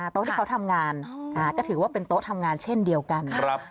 โต๊ะที่เขาทำงานก็ถือว่าเป็นโต๊ะทำงานเช่นเดียวกัน